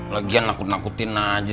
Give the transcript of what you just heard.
lagian nakut nakutin aja